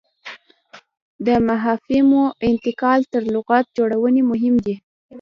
د مفاهیمو انتقال تر لغت جوړونې مهم دی.